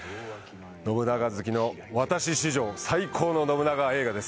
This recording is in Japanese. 信長好きの私史上最高の信長映画です